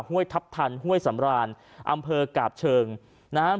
ห้วยทัพทันห้วยสำรานอำเภอกาบเชิงนะฮะ